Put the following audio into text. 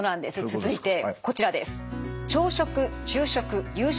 続いてこちらです。